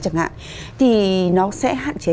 chẳng hạn thì nó sẽ hạn chế